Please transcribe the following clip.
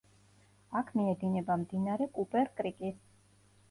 აქ მიედინება მდინარე კუპერ-კრიკი.